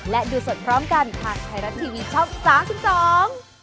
และดูสดพร้อมกันทางไทยรัฐทีวีช่อง๓๒